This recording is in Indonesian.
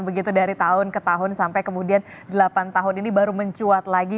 begitu dari tahun ke tahun sampai kemudian delapan tahun ini baru mencuat lagi